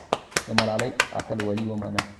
د ملالۍ اتلولي ومنه.